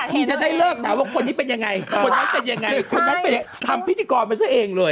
ทีจะได้เลิกถามว่าคนนี้เป็นยังไงคนนั้นเป็นยังไงคนนั้นเป็นทำพิธีกรมาซะเองเลย